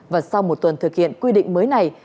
và sau một tuần thực hiện quy định mới này